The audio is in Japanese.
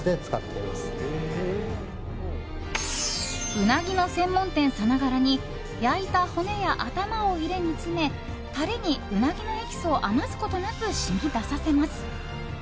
ウナギの専門店さながらに焼いた骨や頭を入れ、煮詰めタレにウナギのエキスを余すことなく染み出させます。